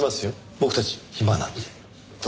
僕たち暇なんで。と